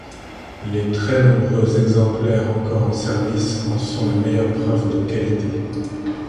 Les très nombreux exemplaires encore en service en sont la meilleure preuve de qualité.